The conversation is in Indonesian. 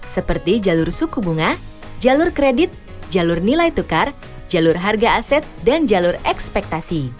seperti jalur suku bunga jalur kredit jalur nilai tukar jalur harga aset dan jalur ekspektasi